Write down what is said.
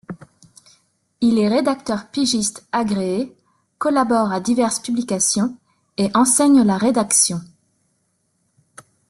Il est rédacteur pigiste agréé, collabore à diverses publications et enseigne la rédaction.